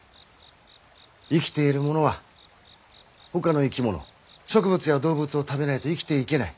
生きているものはほかの生き物植物や動物を食べないと生きていけない。